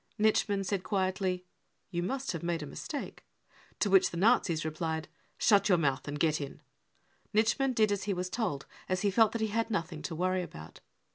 Nitschmann said quietly :" You must have made a mistake," to which the Nazis replied : cs Shut your mouth and get in !" Nitschmann did as he was told, as he felt that he had nothing to worry about.